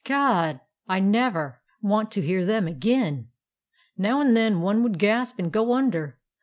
God! I never want to hear them again! Now and then one would gasp and go under.